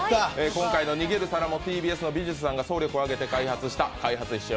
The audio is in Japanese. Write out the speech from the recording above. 今回の逃げる皿もＴＢＳの技術さんが総力を挙げて開発した開発費用